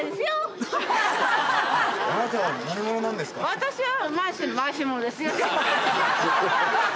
私は。